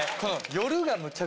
夜が？